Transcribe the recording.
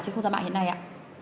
trên không gian mạng hiện nay ạ